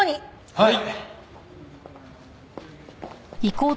はい。